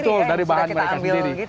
betul dari bahan mereka sendiri nih